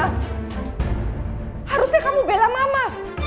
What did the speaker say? harusnya kamu bela mama